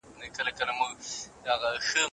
ص سورت په صاد شروع سوی دی.